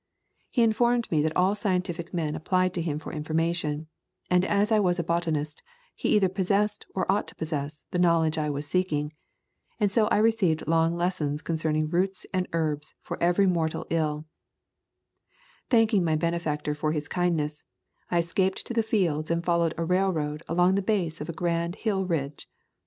He in formed me that all scientific men applied to him for information, and as I was a botanist, he either possessed, or ought to possess, the knowl edge I was seeking, and so I received long lessons concerning roots and herbs for every mortal ill, Thanking my benefactor for his kindness, I escaped to the fields and followed a railroad along the base of a grand hill ridge.